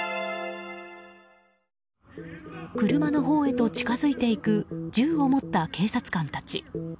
車のほうへと近づいていく銃を持った警察官たち。